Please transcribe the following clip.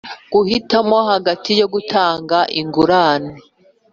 Guhitamo hagati yo gutanga ingurane